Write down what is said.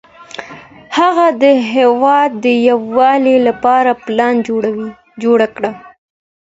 هغه د هېواد د یووالي لپاره پلان جوړ کړ.